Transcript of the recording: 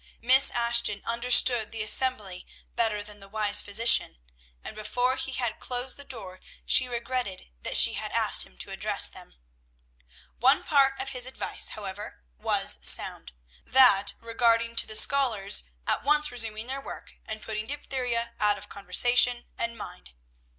Miss Ashton understood the assembly better than the wise physician, and before he had closed the door she regretted that she had asked him to address them. One part of his advice, however, was sound; that regarding to the scholars at once resuming their work, and putting diphtheria out of conversation and mind.